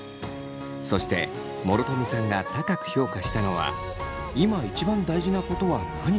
そして諸富さんが高く評価したのは今一番大事なことは何か？